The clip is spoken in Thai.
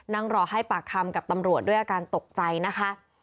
นั่งรอให้ปากคำกับตำรวจด้วยอาการตกใจนะคะ